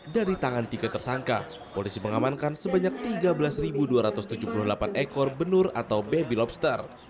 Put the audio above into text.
dari tangan tiga tersangka polisi mengamankan sebanyak tiga belas dua ratus tujuh puluh delapan ekor benur atau baby lobster